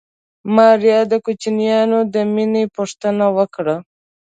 ماريا د کوچيانو د مېنې پوښتنه وکړه.